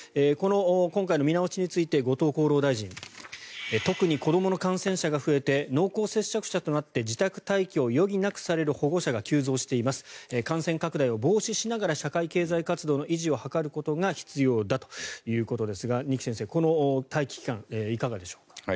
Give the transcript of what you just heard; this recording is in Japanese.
この今回の見直しについて後藤厚労大臣特に子どもの感染者が増えて濃厚接触者となって自宅待機を余儀なくされる保護者が急増しています感染拡大を防止しながら社会経済活動の維持を図ることが必要だということですが二木先生、この待機期間いかがでしょう。